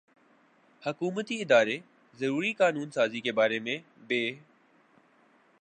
حکومتی ادارے ضروری قانون سازی کے بارے میں بے